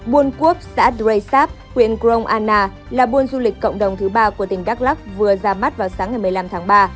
buôn quốc xã huyện grong anna là buôn du lịch cộng đồng thứ ba của tỉnh đắk lắc vừa ra mắt vào sáng ngày một mươi năm tháng ba